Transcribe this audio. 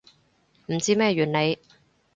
唔知咩原理